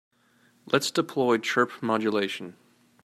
Let's deploy chirp modulation.